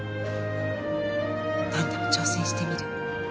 何でも挑戦してみる。